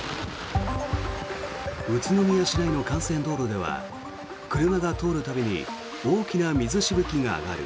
宇都宮市内の幹線道路では車が通る度に大きな水しぶきが上がる。